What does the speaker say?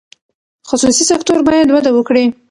خصوصي سکتور باید وده وکړي.